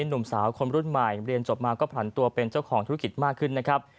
หนุ่มสาวคนรุ่นใหม่เรียนจบมาก็ผลันตัวเป็นเจ้าของธุรกิจมากขึ้นนะครับ